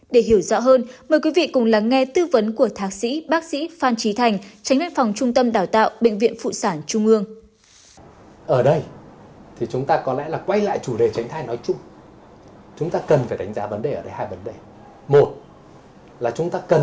để hiểu rõ hơn mời quý vị cùng lắng nghe tư vấn của thạc sĩ bác sĩ phan trí thành tránh văn phòng trung tâm đào tạo bệnh viện phụ sản trung ương